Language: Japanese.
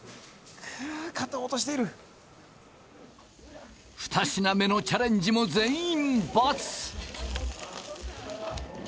肩を落としている２品目のチャレンジも全員×